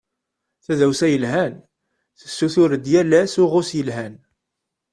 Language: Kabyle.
Tadawsa yelhan tessutur-d yal ass uɣus yelhan.